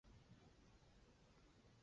行政上由庞卡杰内和群岛县管理。